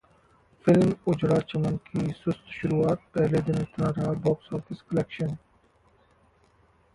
film Ujda Chaman की सुस्त शुरुआत, पहले दिन इतना रहा बॉक्स ऑफिस कलेक्शन